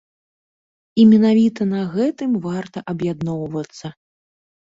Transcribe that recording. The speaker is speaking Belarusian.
І менавіта на гэтым варта аб'ядноўвацца.